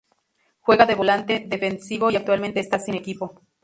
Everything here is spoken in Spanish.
Juega de volante defensivo y actualmente está sin equipo.